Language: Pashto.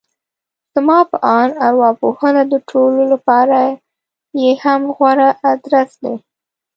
زما په اند ارواپوهنه د ټولو لپاره يې هم غوره ادرس دی.